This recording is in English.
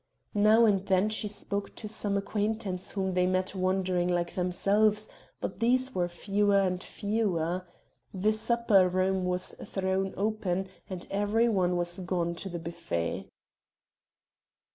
Now and then she spoke to some acquaintance whom they met wandering like themselves, but these were fewer and fewer. The supper room was thrown open and every one was gone to the buffet.